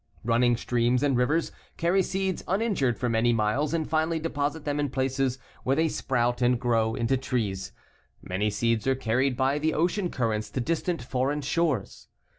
Running streams and rivers carry seeds uninjured for many miles and finally deposit them in places where they sprout and grow into trees. Many seeds are carried by the ocean currents to distant foreign shores.